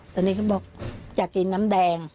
ตอนนี้เขาบอกอยากกินน้ำแดง